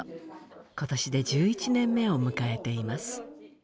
今年で１１年目を迎えています。